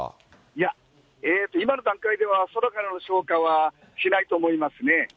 いや、今の段階では、空からの消火はしないと思いますね。